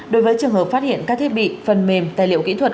đối với trường hợp phát hiện các thiết bị phần mềm tài liệu kỹ thuật